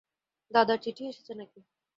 দাদার চিঠি এসেছে নাকি?